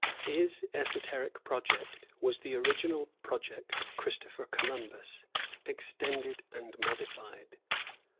His esoteric project was the original project of Christopher Columbus, extended and modified.